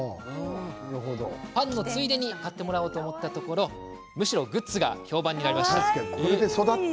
パンのついでに買ってもらおうと思ったところむしろグッズが評判に。